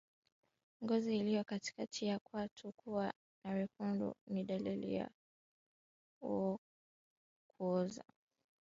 Ngozi iliyo katikati ya kwato kuwa na wekundu ni dalili ya kuoza kwato